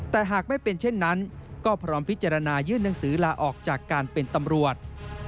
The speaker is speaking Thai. แต่หากไม่เป็นเช่นนั้นก็พร้อมพิจารณายื่นหนังสือลาออกจากการเป็นตำรวจ